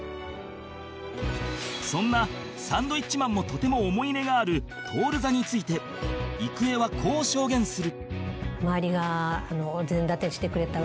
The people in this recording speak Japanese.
そんなサンドウィッチマンもとても思い入れがある徹座について郁恵はこう証言する